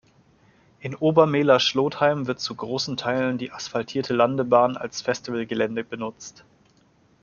In Obermehler-Schlotheim wird zu großen Teilen die asphaltierte Landebahn als Festivalgelände benutzt.